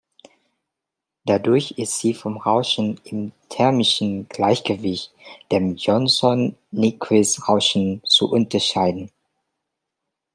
Dadurch ist sie vom Rauschen im thermischen Gleichgewicht, dem Johnson-Nyquist-Rauschen, zu unterscheiden.